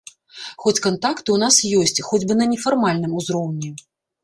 Хоць кантакты ў нас ёсць, хоць бы на нефармальным узроўні.